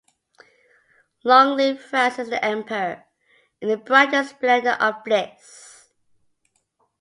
Long live Francis the Emperor in the brightest splendor of bliss!